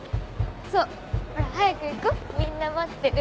そうほら早く行こうみんな待ってる。